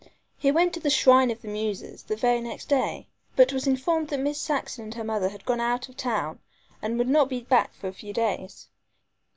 He went to the "Shrine of the Muses" the very next day, but was informed that Miss Saxon and her mother had gone out of town and would not be back for a few days.